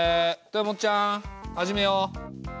豊本ちゃん始めよう。